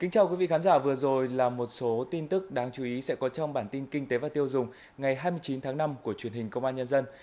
chào mừng quý vị đến với bản tin kinh tế và tiêu dùng ngày hai mươi chín tháng năm của truyền hình công an nhân dân